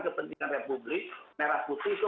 kepentingan republik merah putih itu